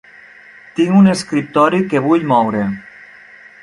Tinc un escriptori que vull moure.